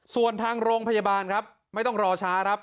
ส่วนทางโรงพยาบาลครับไม่ต้องรอช้าครับ